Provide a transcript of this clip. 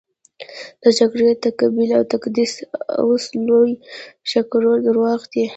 د جګړې تقابل او تقدس لوی او ښکرور درواغ دي.